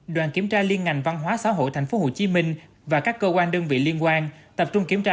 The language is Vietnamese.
đoàn kiểm tra liên ngành văn hóa xã hội tp hcm và các cơ quan đơn vị liên quan tập trung kiểm tra